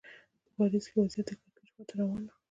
په پاریس کې وضعیت د کړکېچ خوا ته روان و.